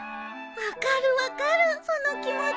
分かる分かるその気持ち。